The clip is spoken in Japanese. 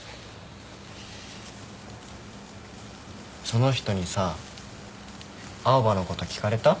その人にさ青羽のこと聞かれた？